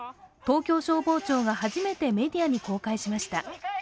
東京消防庁が初めてメディアに公開しました。